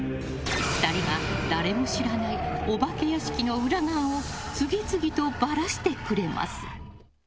２人が誰も知らないお化け屋敷の裏側を次々とばらしてくれます。